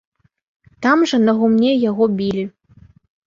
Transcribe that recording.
Там жа на гумне яго білі.